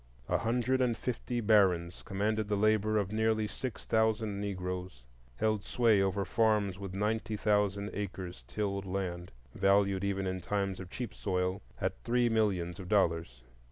A hundred and fifty barons commanded the labor of nearly six thousand Negroes, held sway over farms with ninety thousand acres tilled land, valued even in times of cheap soil at three millions of dollars.